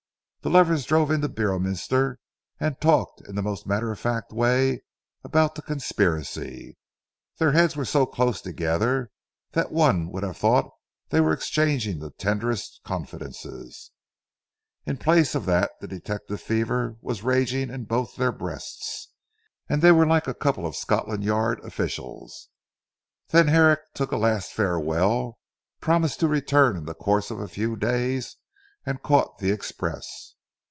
The lovers drove into Beorminster and talked in the most matter of fact way about the conspiracy. Their heads were so close together that one would have thought they were exchanging the tenderest confidences. In place of that the detective fever was raging in both their breasts, and they were like a couple of Scotland Yard officials. Then Herrick took a last farewell, promised to return in the course of a few days, and caught the express.